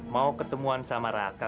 mau ketemuan sama raka